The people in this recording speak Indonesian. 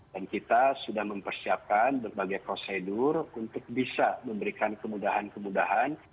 dan kita sudah mempersiapkan berbagai prosedur untuk bisa memberikan kemudahan kemudahan